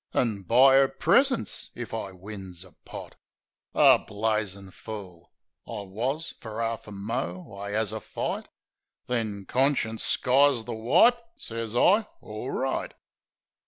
An' buy 'er presents if I wins a pot?" A blazin' fool I wus. Fer 'arf a mo' I 'as a fight; Then conscience skies the wipe ... Sez I "Orright."